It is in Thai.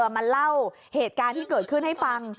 มาเล่าเหตุการณ์ที่เกิดขึ้นให้ฟัง